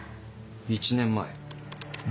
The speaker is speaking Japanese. １年前？